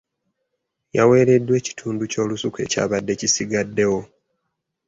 Yaweereddwa ekitundu ky'olusuku ekyabadde kisigaddewo.